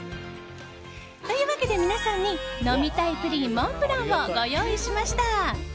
というわけで皆さんに呑みたいプリンをご用意しました。